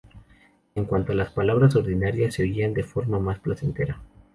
En cuanto a las palabras ordinarias, se oían de forma más placentera.